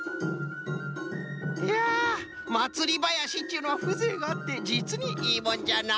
いやまつりばやしっちゅうのはふぜいがあってじつにいいもんじゃな。